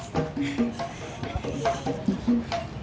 aduh ini akang